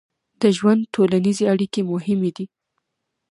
د ژوند ټولنیزې اړیکې مهمې دي.